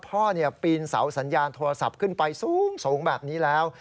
ปีนเสาสัญญาณโทรศัพท์ขึ้นไปสูงแบบนี้แล้ว